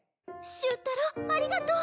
終太郎ありがとう。